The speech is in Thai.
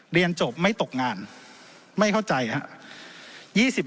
เรียนจบไม่ตกงานไม่เข้าใจครับ